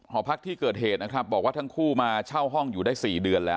หอพักที่เกิดเหตุนะครับบอกว่าทั้งคู่มาเช่าห้องอยู่ได้๔เดือนแล้ว